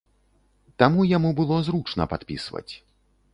Таму яму было зручна падпісваць.